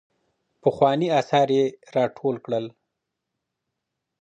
پخواني اثار يې راټول کړل.